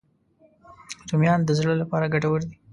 رومیان د زړه لپاره ګټور دي